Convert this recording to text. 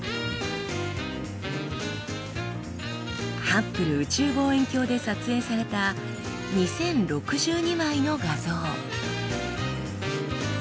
ハッブル宇宙望遠鏡で撮影された２，０６２枚の画像。